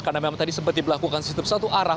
karena memang tadi seperti berlakukan sistem satu arah